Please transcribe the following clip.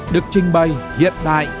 được trình bày hiện đại